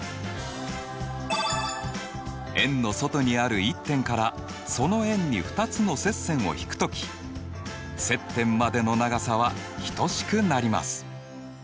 円の外にある１点からその円に２つの接線をひく時接点までの長さは等しくなります。